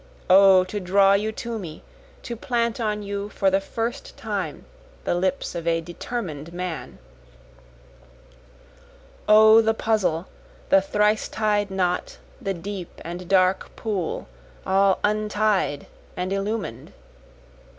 O to draw you to me, to plant on you for the first time the lips of a determin'd man. O the puzzle, the thrice tied knot, the deep and dark pool, all untied and illumin'd!